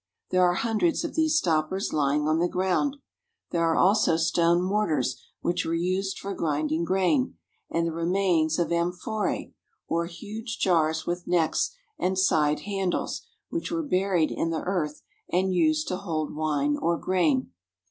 There are hundreds of these stoppers lying on the ground. There are also stone mortars which were used for grinding grain, and the re mains of amphorae, or huge jars with necks and side handles, which were buried in the earth and used to hold wine or grain.